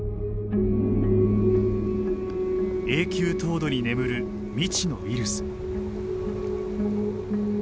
永久凍土に眠る未知のウイルス。